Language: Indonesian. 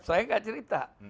saya tidak cerita